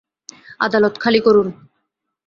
আদালত খালি করুন!